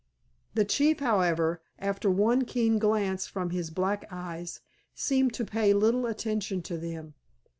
The chief, however, after one keen glance from his black eyes seemed to pay little attention to them.